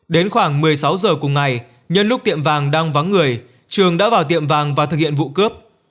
đến khoảng một mươi sáu giờ cùng ngày nhân lúc tiệm vàng đang vắng người trường đã vào tiệm vàng và thực hiện vụ cướp